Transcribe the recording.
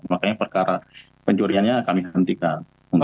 makanya perkara pencuriannya kami hentikan